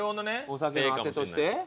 お酒のアテとして。